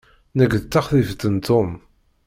Nekk d taxḍibt n Tom.